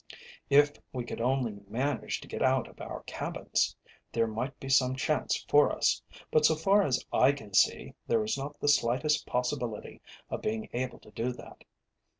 If we could only manage to get out of our cabins, there might be some chance for us, but so far as I can see, there is not the slightest possibility of being able to do that.